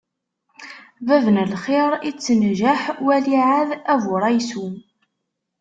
Bab n lxiṛ ittenjaḥ, wali ɛad aburaysu!